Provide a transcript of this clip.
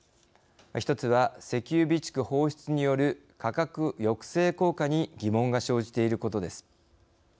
１つは石油備蓄放出による価格抑制効果に疑問が生じていることです。